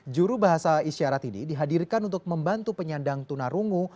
juru bahasa isyarat ini dihadirkan untuk membantu penyandang tunarungu